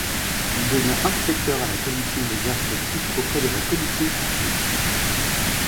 Il devient inspecteur à la commission des arts plastiques auprès de la Commission française.